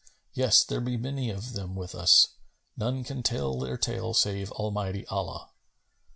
"Yes, there be many of them with us. None can tell their tale save Almighty Allah."